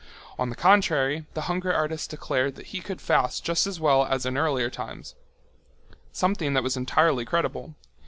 On the contrary, the hunger artist declared that he could fast just as well as in earlier times—something that was entirely credible.